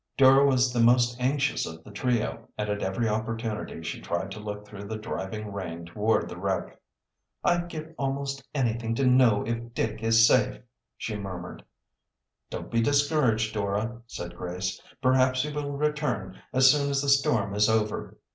Dora was the most anxious of the trio, and at every opportunity she tried to look through the driving rain toward the wreck. "I'd give almost anything to know if Dick is safe," she murmured. "Don't be discouraged, Dora," said Grace. "Perhaps he will return as soon as the storm is over."